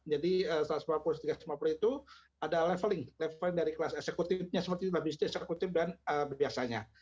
jadi rp satu ratus lima puluh rp tiga ratus lima puluh itu ada leveling dari kelas eksekutifnya seperti labisnya eksekutif dan biasanya